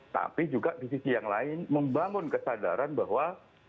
tapi juga di sisi yang lain membangun kesadaran bahwa